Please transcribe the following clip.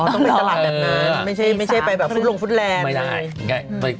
ไปตลาดแบบนั้นไม่ใช่ไปหลงฟุธแลนไม่ได้